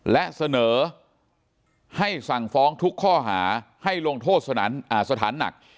และเสนอให้สั่งฟ้องทุกข้อหาให้ลงโทษสถานหนัก